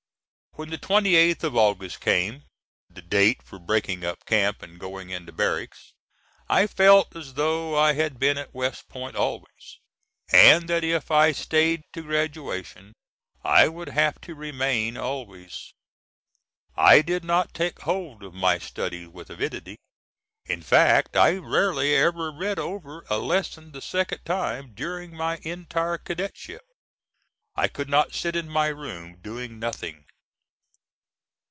When the 28th of August came the date for breaking up camp and going into barracks I felt as though I had been at West Point always, and that if I staid to graduation, I would have to remain always. I did not take hold of my studies with avidity, in fact I rarely ever read over a lesson the second time during my entire cadetship. I could not sit in my room doing nothing.